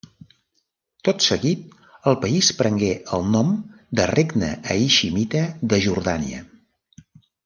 Tot seguit el país prengué el nom de Regne haiximita de Jordània.